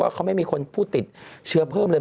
เขาไม่มีคนผู้ติดเชื้อเพิ่มเลย